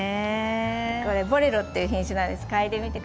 これボレロっていう品種なんです。